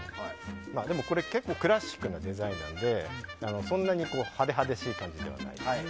でもこれ、結構クラシックなデザインなのでそんなに派手派手しい感じではないです。